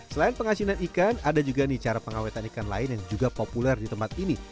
selain penghasilan ikan ada juga nih cara pengawetan ikan lain yang juga populer di tempat ini